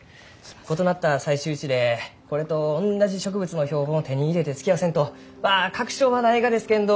異なった採集地でこれとおんなじ植物の標本を手に入れて突き合わせんとまあ確証はないがですけんど。